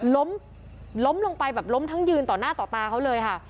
ล้มล้มลงไปแบบล้มทั้งยืนต่อหน้าต่อตาเขาเลยค่ะ